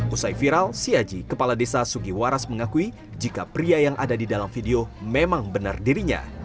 usai viral si aji kepala desa sugiwaras mengakui jika pria yang ada di dalam video memang benar dirinya